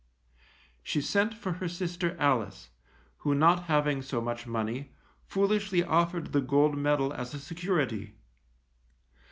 She sent for her sister Alice, who not having so much money, foolishly offered the gold medal as a security.